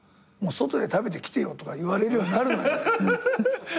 もう「外で食べてきてよ」とか言われるようになるのよ。